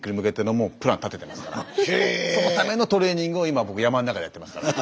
そのためのトレーニングを今僕山の中でやってますから。